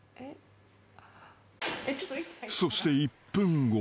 ［そして１分後］